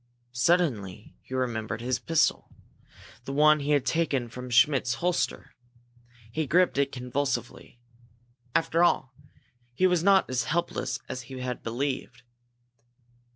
Suddenly he remembered his pistol, the one he had taken from Schmidt's holster. He gripped it convulsively. After all, he was not as helpless as he had believed.